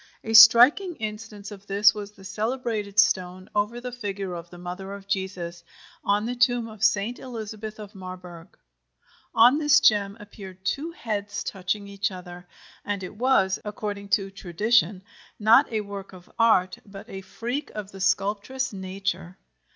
A striking instance of this was the celebrated stone over the figure of the Mother of Jesus, on the tomb of St. Elizabeth of Marburg. On this gem appeared two heads touching each other, and it was, according to tradition, not a work of art, but a freak of the sculptress Nature.